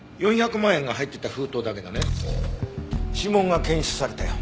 ４００万円が入ってた封筒だけどね指紋が検出されたよ。